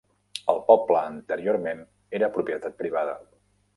El poble anteriorment era propietat privada.